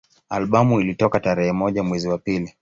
Albamu ilitoka tarehe moja mwezi wa pili